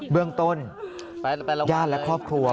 เบื้องต้นญาติและครอบครัว